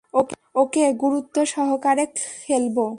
ওকে গুরুত্ব সহকারে খেলবো।